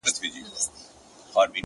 فريادي داده محبت کار په سلگيو نه سي-